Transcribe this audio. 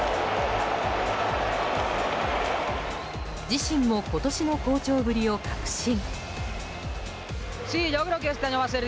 自身も今年の好調ぶりを確信。